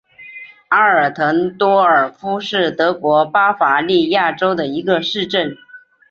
阿尔滕多尔夫是德国巴伐利亚州的一个市镇。